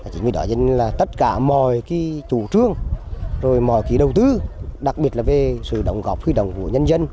chính vì đó nên là tất cả mọi cái chủ trương rồi mọi cái đầu tư đặc biệt là về sự đồng góp khuyết động của nhân dân